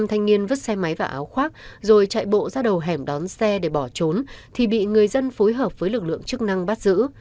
năm thanh niên vứt xe máy và áo khoác rồi chạy bộ ra đầu hẻm đón xe để bỏ trốn thì bị người dân phối hợp với lực lượng chức năng bắt giữ